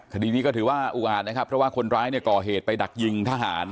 คดีนี้ก็ถือว่าอุอาจนะครับเพราะว่าคนร้ายเนี่ยก่อเหตุไปดักยิงทหาร